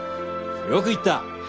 よく言った。